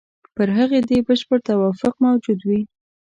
پر هغې دې بشپړ توافق موجود وي.